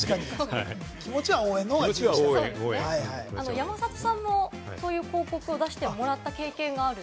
山里さんもそういう広告を出してもらった経験がある？